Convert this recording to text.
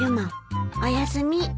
おやすみ。